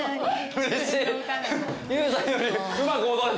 うれしい。